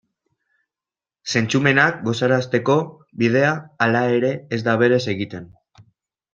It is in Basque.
Zentzumenak gozarazteko bidea, halere, ez da berez egiten.